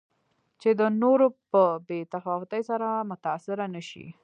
چې د نورو په بې تفاوتۍ سره متأثره نه شي.